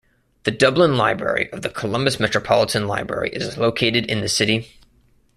The Dublin Library of the Columbus Metropolitan Library is located in the city.